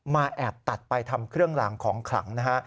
แอบตัดไปทำเครื่องลางของขลังนะฮะ